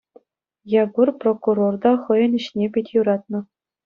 Якур прокурор та хӑйӗн ӗҫне пит юратнӑ.